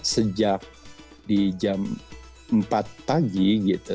sejak di jam empat pagi gitu